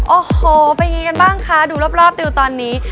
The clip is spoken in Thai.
โอ้โหไปยังไงกันบ้างคะดูรอบรอบติวตอนนี้